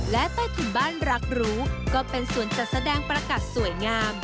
และใต้ถุนบ้านรักรู้ก็เป็นส่วนจัดแสดงประกัดสวยงาม